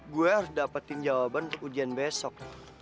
gue harus dapetin jawaban untuk ujian besok